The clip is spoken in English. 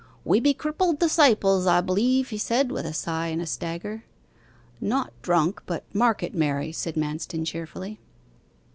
'We be crippled disciples a b'lieve,' he said, with a sigh and a stagger. 'Not drunk, but market merry,' said Manston cheerfully.